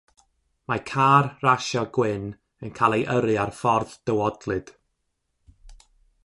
Mae car rasio gwyn yn cael ei yrru ar ffordd dywodlyd.